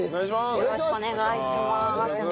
よろしくお願いします。